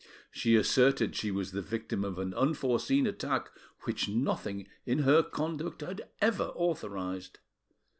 She asserted she was the victim of an unforeseen attack which nothing in her conduct had ever authorised.